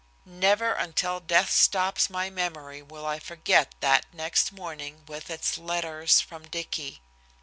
Never until death stops my memory will I forget that next morning with its letters from Dicky.